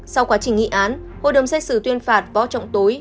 sau quá trình nghị án hội đồng xét xử tuyên phạt võ trọng tối